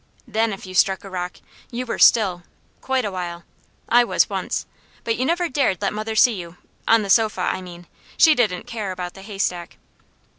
THEN if you struck a rock, you were still, quite a while. I was once. But you never dared let mother see you on the sofa, I mean; she didn't care about the haystack.